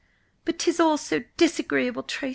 But 'tis all so disagreeable, Tracy!"